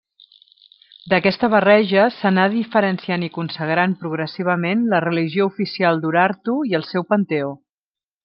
D'aquesta barreja s'anà diferenciant i consagrant progressivament la religió oficial d'Urartu i el seu panteó.